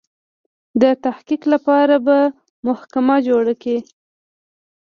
د تحقیق لپاره به محکمه جوړه کړي.